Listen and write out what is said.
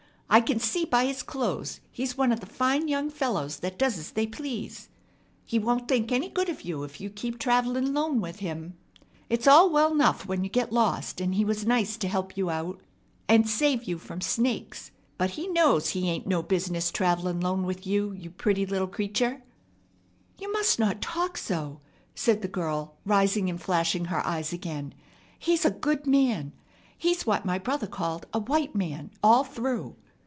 I can see by his clo'es he's one of the fine young fellows that does as they please. He won't think any good of you if you keep travellin' 'lone with him. It's all well 'nough when you get lost, an' he was nice to help you out and save you from snakes; but he knows he ain't no business travellin' 'lone with you, you pretty little creature!" "You must not talk so!" said the girl, rising and flashing her eyes again. "He's a good man. He's what my brother called 'a white man all through.'